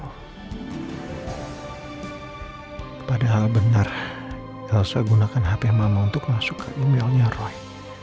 kepada hal benar elsa gunakan handphone mama untuk masuk ke emailnya roy